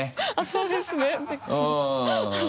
そうですね